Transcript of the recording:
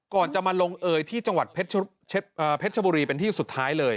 ก่อนจะมาลงเอยที่จังหวัดเพชรชบุรีเป็นที่สุดท้ายเลย